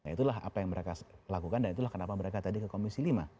itulah apa yang mereka lakukan dan itulah kenapa mereka tadi ke komisi lima